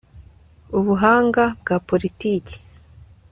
Ubuhanga bwa politiki